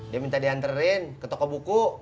dia minta dihanterin ke toko buku